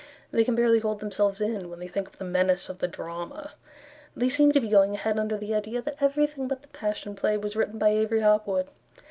They can barely hold themselves in When they think of the menace of the drama; They seem to be going ahead under the idea That everything but the Passion Play Was written by Avery Hopwood.